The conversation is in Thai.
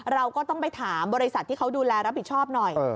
เราก็ต้องไปถามบริษัทที่เขาดูแลรับผิดชอบหน่อย